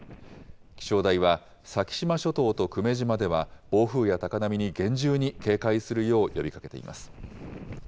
気象台は、先島諸島と久米島では暴風や高波に厳重に警戒するよう呼びかけています。